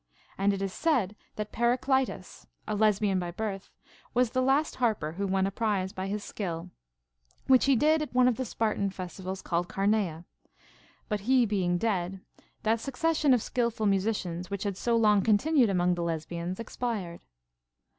And it is said that Periclitus, a Lesbian by birth, was the last harper wlio won a prize by his skill, which he did at one of the Spartan festivals called Carneia ; but he being dead, that succession of skilful mu sicians, which had so long continued among the Lesbians, expired.